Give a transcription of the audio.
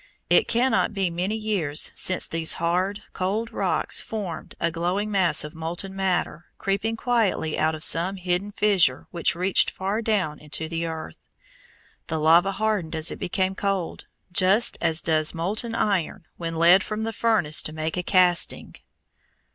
It cannot be many years since these hard, cold rocks formed a glowing mass of molten matter creeping quietly out of some hidden fissure which reached far down into the earth. The lava hardened as it became cold, just as does molten iron when led from the furnace to make a casting.